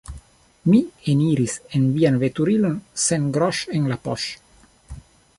Mi eniris en vian veturilon sen groŝ' en la poŝ'